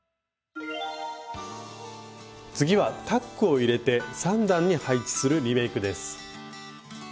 次はタックを入れて３段に配置するリメイクです。